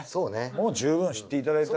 もう十分知っていただいた。